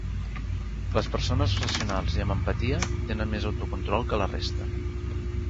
Les persones racionals i amb empatia tenen més autocontrol que la resta.